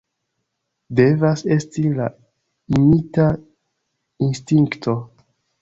Devas esti la imita instinkto!